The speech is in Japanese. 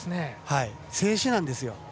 静止なんですよ。